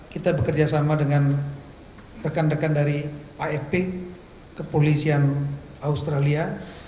kita bekerjasama dengan rekan rekan dari afp kepolisian australia